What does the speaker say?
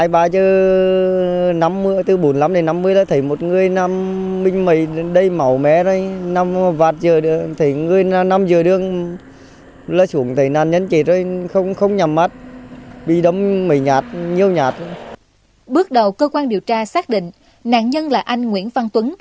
bước đầu cơ quan điều tra xác định nạn nhân là anh nguyễn văn tuấn